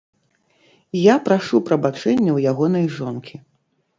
Я прашу прабачэння ў ягонай жонкі.